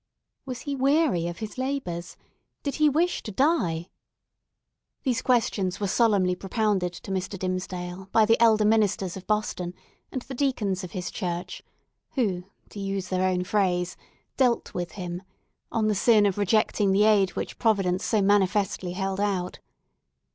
Was he weary of his labours? Did he wish to die? These questions were solemnly propounded to Mr. Dimmesdale by the elder ministers of Boston, and the deacons of his church, who, to use their own phrase, "dealt with him," on the sin of rejecting the aid which Providence so manifestly held out.